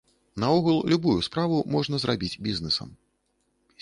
Наогул, любую справу можна зрабіць бізнесам.